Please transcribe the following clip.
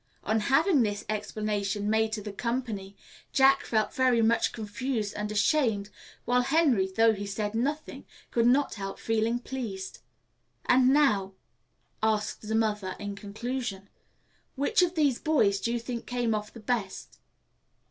On having this explanation made to the company, Jack felt very much confused and ashamed, while Henry, though he said nothing, could not help feeling pleased. "And now," asks the mother, in conclusion, "which of these boys do you think came off the best?"